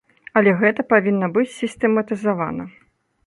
Але гэта павінна быць сістэматызавана.